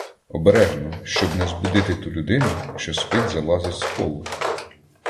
Обережно, щоб не збудити ту людину, що спить, злазить з полу.